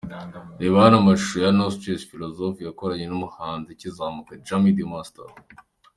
Reba hano amashusho ya 'No stress' Philosophe yakoranye n'umuhanzi ukizamuka Jammy The Master .